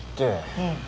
うん。